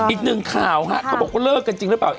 อีกหนึ่งข่าวฮะเขาบอกว่าเลิกกันจริงหรือเปล่า